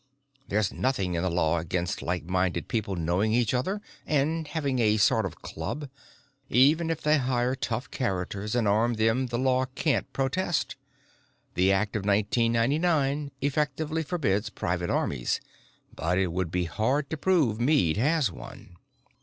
There's nothing in the law against like minded people knowing each other and having a sort of club. Even if they hire tough characters and arm them the law can't protest. The Act of Nineteen Ninety nine effectively forbids private armies but it would be hard to prove Meade has one."